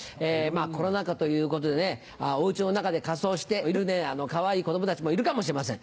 コロナ禍ということでねお家の中で仮装しているかわいい子供たちもいるかもしれません。